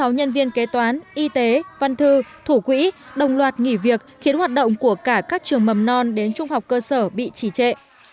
sáu nhân viên kế toán y tế văn thư thủ quỹ đồng loạt nghỉ việc khiến hoạt động của cả các trường mầm non đến trung học cơ sở bị trì trệ